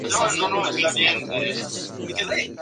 Por invitación del señor obispo Mons.